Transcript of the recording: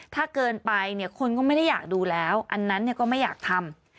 ถ้าเกินไปเนี่ยคนก็ไม่ได้อยากดูแล้วอันนั้นก็ไม่อยากทำ